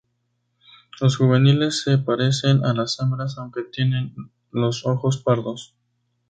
Los juveniles se parecen a las hembras aunque tienen los ojos pardos.